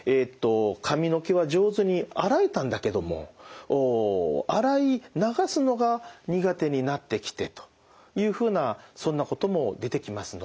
髪の毛は上手に洗えたんだけども洗い流すのが苦手になってきてというふうなそんなことも出てきますので。